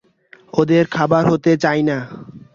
ওদের খাবার হতে চাই না।